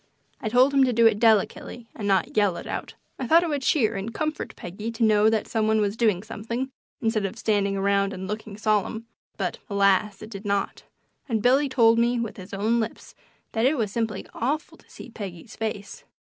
I told him to do it delicately, and not yell it out. I thought it would cheer and comfort Peggy to know that some one was doing something, instead of standing around and looking solemn, but, alas! it did not, and Billy told me with his own lips that it was simply awful to see Peggy's face.